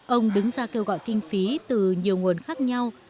ông đứng ra kêu gọi kinh phí từ nhiều nguồn khác nhau